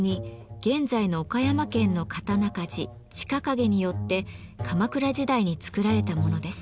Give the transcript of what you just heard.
現在の岡山県の刀鍛冶近景によって鎌倉時代に作られたものです。